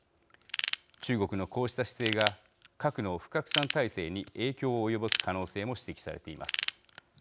中国のこうした姿勢が核の不拡散体制に影響を及ぼす可能性も指摘されています。